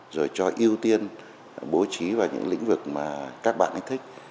rồi cho ưu tiên bố trí vào những lĩnh vực mà các bạn ấy thích